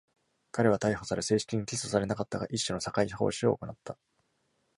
彼は逮捕され、正式に起訴されなかったが、一種の社会奉仕を行った。